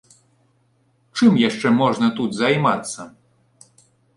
Чым яшчэ можна тут займацца?